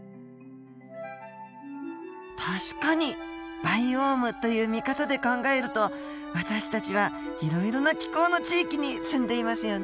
確かに「バイオーム」という見方で考えると私たちはいろいろな気候の地域に住んでいますよね。